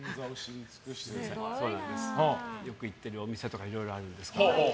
よく行ってるお店とかいろいろあります。